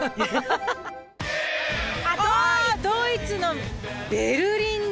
あドイツのベルリンだ！